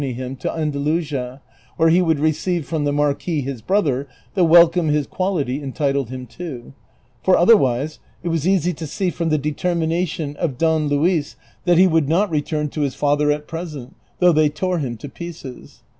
389 pauy him to Andalusia, Avhere he woiikl receive from the mar quis his ])rother the welcome his quality entitled him to; for, otherwise, it was easy to see from the determination of Don Luis that he would not return to his father at present, though they tore him to pieces.